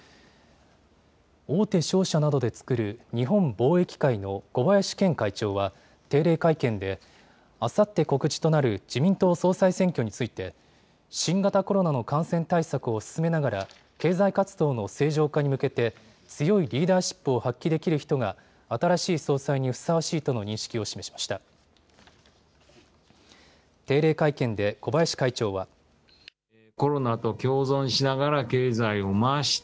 大手商社などで作る日本貿易会の小林健会長は定例会見であさって告示となる自民党総裁選挙について新型コロナの感染対策を進めながら経済活動の正常化に向けて強いリーダーシップを発揮できる人が新しい総裁にふさわしいとの認識を示しました。